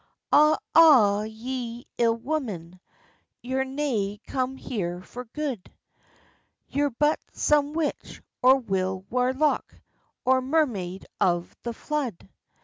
"Awa, awa, ye ill woman, You'r nae come here for good; You'r but some witch, or wile warlock, Or mer maid of the flood."